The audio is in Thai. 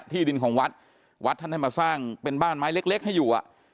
ที่ดินของวัดวัดท่านให้มาสร้างเป็นบ้านไม้เล็กให้อยู่อ่ะ